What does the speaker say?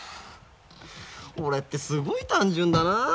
俺ってすごい単純だなあ。